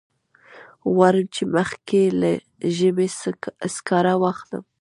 غواړم چې مخکې له ژمي سکاره واخلم.